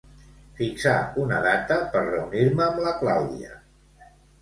Fixar una data per reunir-me amb la Clàudia.